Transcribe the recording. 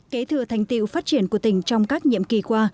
kế thừa thành tiệu phát triển của tỉnh trong các nhiệm kỳ qua